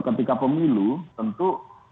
ketika pemilu tentu